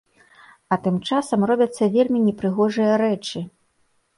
А там часам робяцца вельмі непрыгожыя рэчы.